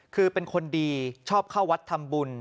คือเป็นคนดีชอบเข้าวัดทำบุญ